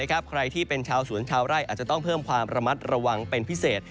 ใครที่เป็นชาวสวนชาวไร่อาจจะต้องเพิ่มความระมัดระวังเป็นพิเศษ